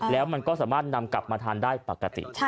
แล้วมันก็สามารถนำกลับมาทานได้ปกติ